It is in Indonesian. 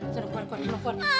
tidak keluar keluar